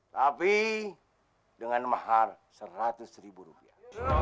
tapi dengan mahar seratus ribu rupiah